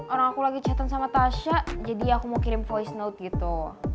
orang aku lagi chattan sama tasha jadi aku mau kirim voice note gitu